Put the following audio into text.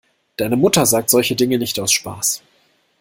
Deine Mutter sagt solche Dinge nicht aus Spaß.